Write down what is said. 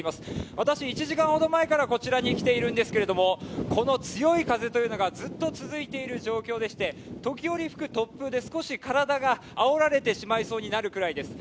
私、１時間ほど前からこちらに来ているんですけど、この強い風がずっと続いている状況でして、時折吹く突風で少し体があおられてしまいそうになるくらいです。